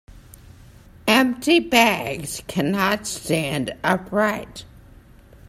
Empty bags cannot stand upright.